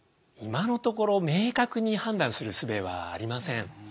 今のところ明確に判断するすべはありません。